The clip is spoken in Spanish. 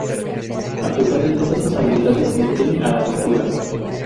A pesar de todas sus habilidades, le teme a las tortugas.